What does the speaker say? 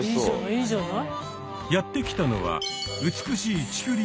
いいじゃない。